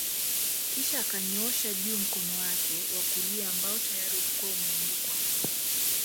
Kisha akanyoosha juu mkono wake wa kulia ambao tayari ulikuwa umeandikwa namba